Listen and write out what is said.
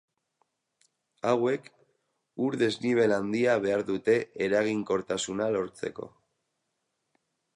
Hauek, ur-desnibel handia behar dute eraginkortasuna lortzeko.